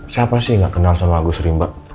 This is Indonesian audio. siapa sih nggak kenal sama agus rimba